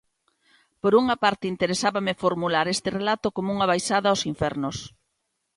Por unha parte interesábame formular este relato como unha baixada aos infernos.